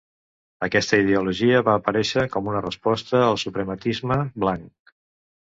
Aquesta ideologia va aparèixer com una resposta al suprematisme blanc.